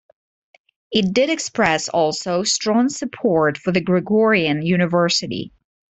It did express also strong support for the Gregorian University.